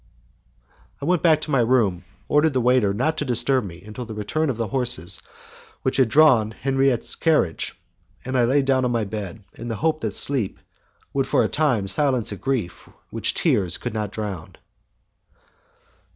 I went back to my room, ordered the waiter not to disturb me until the return of the horses which had drawn Henriette's carriage, and I lay down on my bed in the hope that sleep would for a time silence a grief which tears could not drown.